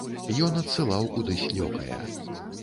Ён адсылаў кудысь лёкая.